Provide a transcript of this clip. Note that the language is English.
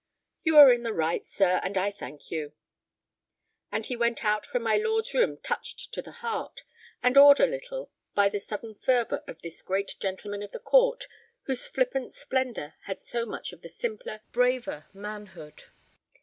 "You are in the right, sir, and I thank you." And he went out from my lord's room touched to the heart, and awed a little by the sudden fervor of this great gentleman of the court whose flippant splendor had so much of the simpler, braver manhood.